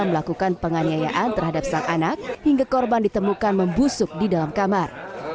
melakukan penganiayaan terhadap sang anak hingga korban ditemukan membusuk di dalam kamar